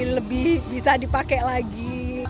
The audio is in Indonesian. jadi lebih bisa dipakai lagi